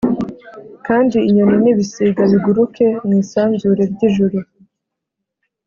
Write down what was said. kandi inyoni n’ibisiga biguruke mu isanzure ry’ijuru.